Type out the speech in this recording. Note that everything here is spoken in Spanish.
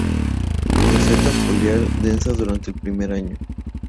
Roseta foliar densa durante el primer año.